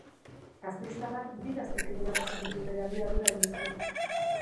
Gasteiztarrak bi lasterketa irabazi ditu bere abiadurari esker.